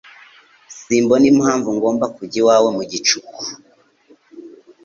Simbona impamvu ngomba kujya iwawe mu gicuku.